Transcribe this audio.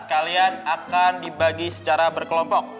kalian akan dibagi secara berkelompok